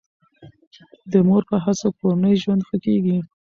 د مور په هڅو کورنی ژوند ښه کیږي.